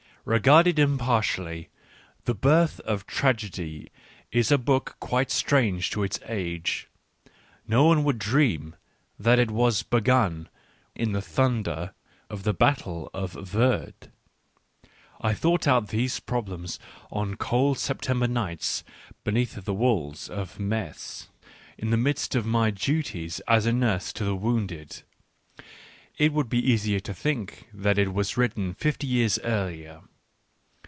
— Regarded impartially, The Birth of Tragedy is a book quite strange to its age : no one would dream that it was begun in the thunder of the battle of Worth, I thought out these problems on cold September nights beneath the walls of Metz, in the midst of my duties as nurse to the wounded; it would be easier to think that it was written fifty years earlier.